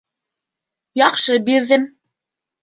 Яҡшы бирҙем